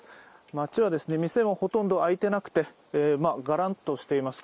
街は店もほとんど開いてなくてガランとしています。